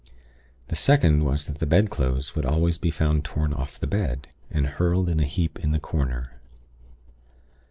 The second was that the bedclothes would always be found torn off the bed, and hurled in a heap into a corner.